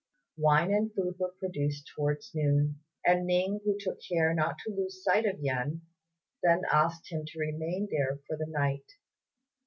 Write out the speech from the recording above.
Wine and food were produced towards noon; and Ning, who took care not to lose sight of Yen, then asked him to remain there for the night.